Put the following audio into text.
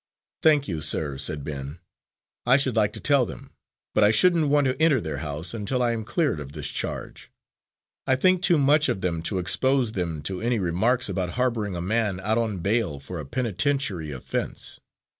"Thank you, sir," said Ben. "I should like to tell them, but I shouldn't want to enter their house until I am cleared of this charge. I think too much of them to expose them to any remarks about harbouring a man out on bail for a penitentiary offense.